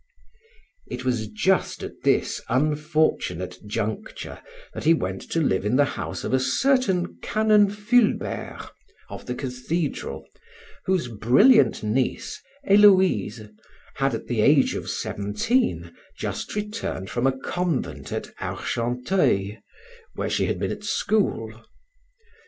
It was just at this unfortunate juncture that he went to live in the house of a certain Canon Fulbert, of the cathedral, whose brilliant niece, Héloïse, had at the age of seventeen just returned from a convent at Argenteuil, where she had been at school.